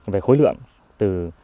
về khối lượng từ